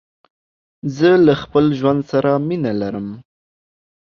زه له خپل ژوند سره مينه لرم.